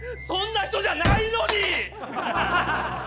そんな人じゃないのに！